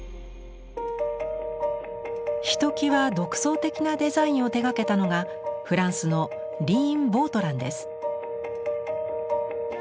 ひときわ独創的なデザインを手がけたのがフランスのリーン・ヴォートランです。